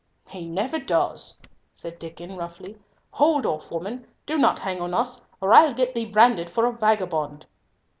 "He never does!" said Diccon, roughly; "hold off, woman, do not hang on us, or I'll get thee branded for a vagabond."